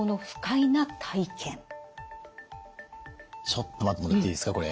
ちょっと待ってもらっていいですかこれ。